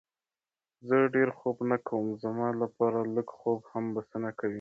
زه ډېر خوب نه کوم، زما لپاره لږ خوب هم بسنه کوي.